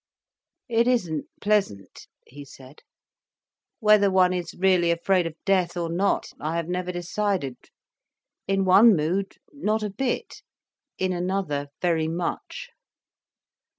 "It isn't pleasant," he said. "Whether one is really afraid of death, or not, I have never decided. In one mood, not a bit, in another, very much."